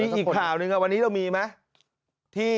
มันมีอีกข่าวหนึ่งครับวันนี้เรามีไหม